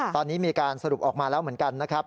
ตอนนี้มีการสรุปออกมาแล้วเหมือนกันนะครับ